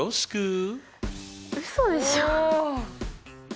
うそでしょ？